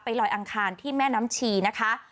ลอยอังคารที่แม่น้ำชีนะคะ